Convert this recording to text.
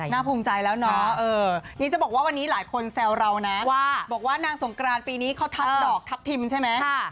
ภูมิใจแล้วเนาะนี่จะบอกว่าวันนี้หลายคนแซวเรานะว่าบอกว่านางสงกรานปีนี้เขาทับดอกทัพทิมใช่ไหม